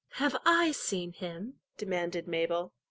"Have I seen him?" demanded Mabel.